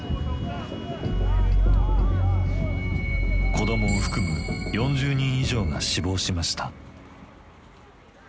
子供を含む４０人以上が死亡しました。